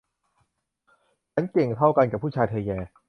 ฉันเก่งเท่ากันกับผู้ชาย เธอแหย่